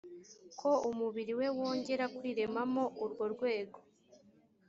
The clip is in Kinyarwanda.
ko umubiri we wongera kwiremamo urwo rwego